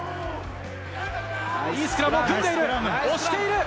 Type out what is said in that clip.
いいスクラムを組んでいる、押している。